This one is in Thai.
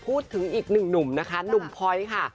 พูดถึงอีกหนึ่งหนุ่มนะคะหนุ่มพลอยค่ะ